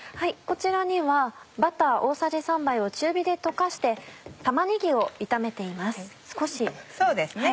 こちらにはバター大さじ３杯を中火で溶かして玉ねぎを炒めています。